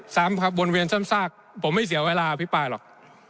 ซ้ำครับวนเวียนซ้ำซากผมไม่เสียเวลาอภิปรายหรอก